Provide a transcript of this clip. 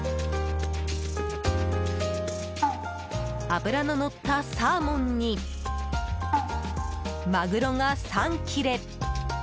脂ののったサーモンにマグロが３切れ。